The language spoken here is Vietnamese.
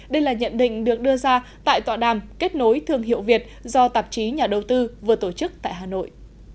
đây là nhận định được đưa ra tại tọa đàm kết nối thương hiệu việt do tạp chí nhà đầu tư vừa tổ chức tại hà nội